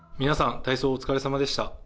皆さん、体操お疲れさまでした。